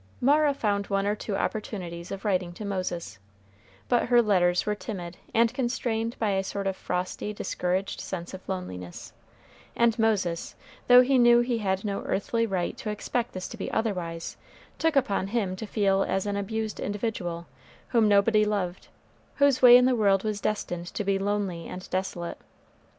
Mara found one or two opportunities of writing to Moses; but her letters were timid and constrained by a sort of frosty, discouraged sense of loneliness; and Moses, though he knew he had no earthly right to expect this to be otherwise, took upon him to feel as an abused individual, whom nobody loved whose way in the world was destined to be lonely and desolate.